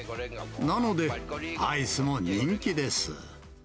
なので、アイスも人気です。